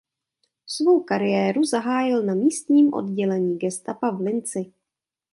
Svou kariéru zahájil na místním oddělení gestapa v Linci.